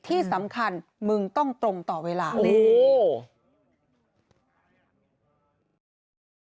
ที่สำคัญมึงต้องตรงต่อเวลานี่